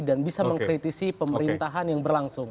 dan bisa mengkritisi pemerintahan yang berlangsung